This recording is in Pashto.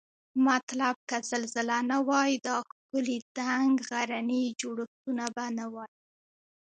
مطلب که زلزلې نه وای دا ښکلي دنګ غرني جوړښتونه به نوای